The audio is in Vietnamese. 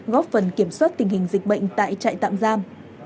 góp phần kiểm soát tình hình dịch bệnh tại trại tạm giam